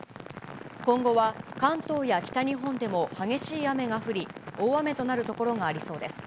今後は関東や北日本でも激しい雨が降り、大雨となる所がありそうです。